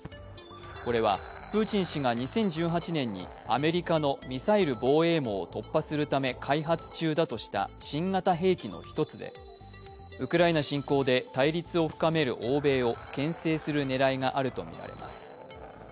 これはプーチン氏が２０１８年にアメリカのミサイル防衛網を突破するため開発中だとした新型兵器の１つで、ウクライナ侵攻で対立を深める欧米をけん制する狙いがあるとみられます。